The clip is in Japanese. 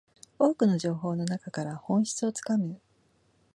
多くの情報の中から本質をつかむ